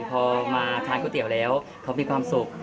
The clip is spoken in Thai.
พอมาทานก๋วยเตี๋ยวแล้วเขามีความสุข